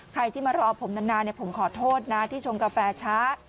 ใครที่มารอผมนานผมขอโทษนะที่ชมกาแฟช้า